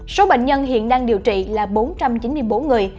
số bệnh nhân hiện đang điều trị là bốn trăm chín mươi bốn người